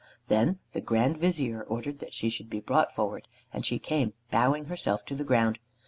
Then the Grand Vizier ordered that she should be brought forward, and she came bowing herself to the ground.